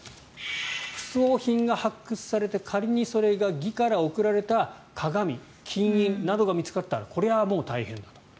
副葬品が発掘されて仮にそれが魏から贈られた鏡、金印などが見つかったらこれはもう大変だと。